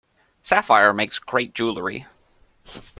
Sapphire makes great jewellery.